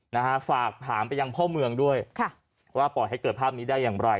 นะฮะฝากถามไปยังพ่อเมืองด้วยค่ะว่าปล่อยให้เกิดภาพนี้ได้อย่างไร